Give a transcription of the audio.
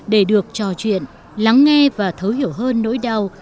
để được trò chuyện lắng nghe và thấu hiểu hơn nỗi đau